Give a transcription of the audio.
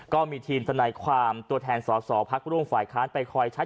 ก็มีทีมทนายความตัวแทนสอสอพักร่วมฝ่ายค้านไปคอยใช้